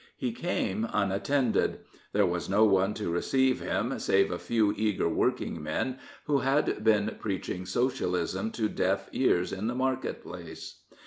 He came unattended. There was no one to receive him save a few eager working men who had been preaching Socialism to deaf ears in the market place.